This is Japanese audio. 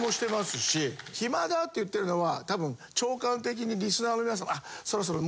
「暇だ」って言ってるのは多分聴感的にリスナーの皆さん。